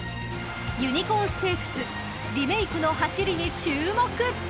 ［ユニコーンステークスリメイクの走りに注目！］